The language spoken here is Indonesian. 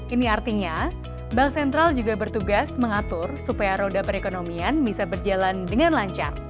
ini artinya bank sentral juga bertugas mengatur supaya roda perekonomian bisa berjalan dengan lancar